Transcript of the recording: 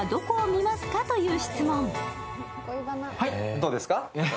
どうですか？